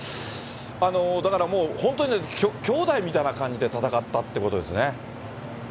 だからもう、本当に兄弟みたいな感じで戦ったということですよね。